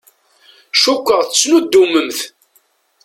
Cukkeɣ tettnuddumemt.